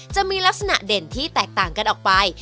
จะมีลักษณะเด่นที่แตกต่างกันออกไป